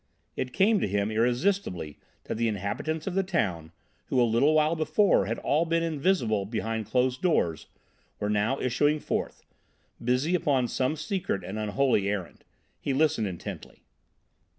It came to him irresistibly that the inhabitants of the town, who a little while before had all been invisible behind closed doors, were now issuing forth, busy upon some secret and unholy errand. He listened intently.